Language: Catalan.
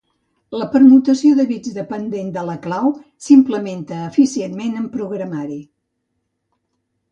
La permutació de bits dependent de la clau s'implementa eficientment en programari.